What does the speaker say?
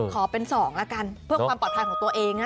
ขอเป็น๒ละกันเพื่อความปลอดภัยของตัวเอง